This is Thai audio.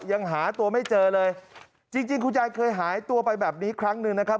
ยังหาตัวไม่เจอเลยจริงจริงคุณยายเคยหายตัวไปแบบนี้ครั้งหนึ่งนะครับ